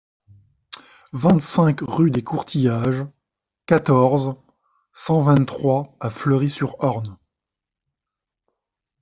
vingt-cinq rue des Courtillages, quatorze, cent vingt-trois à Fleury-sur-Orne